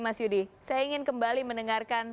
mas yudi saya ingin kembali mendengarkan